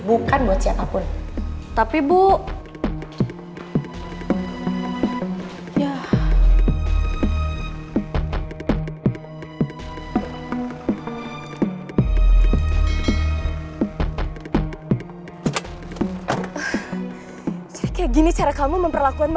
bukan buat siapapun